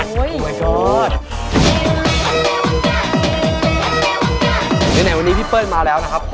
ไหนวันนี้พี่เปิ้ลมาแล้วนะครับ